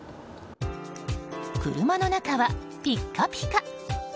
車の中はピッカピカ。